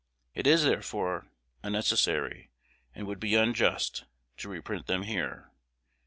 It is, therefore, unnecessary, and would be unjust, to reprint them here.